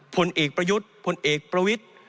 ผลเอกประยุทธ์พลเอกประวิทธิ์